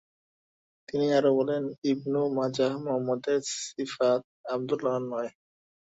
তিনি আরো বলেন, ইবনু মাজাহ মুহাম্মাদের ছিফাত, আব্দুল্লাহর নয়।